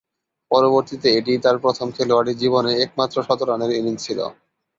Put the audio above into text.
পরবর্তীতে এটিই তার প্রথম খেলোয়াড়ী জীবনে একমাত্র শতরানের ইনিংস ছিল।